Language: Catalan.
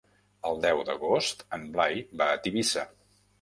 El deu d'agost en Blai va a Tivissa.